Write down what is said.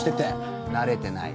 慣れてない。